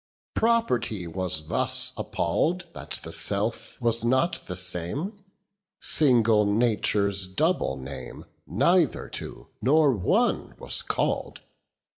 Property was thus appall'd, That the self was not the same; Single nature's double name Neither two nor one was call'd.